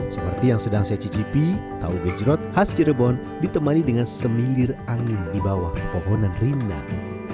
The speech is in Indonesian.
seperti yang sedang saya cicipi tahu gejrot khas cirebon ditemani dengan semilir angin di bawah pepohonan rindang